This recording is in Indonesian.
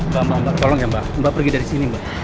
tolong ya mbak mbak pergi dari sini mbak